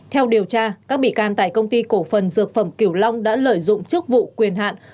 theo điều tra các bị can tại công ty cổ phần dược phẩm kiểu long đã lợi dụng chức vụ quyền hạn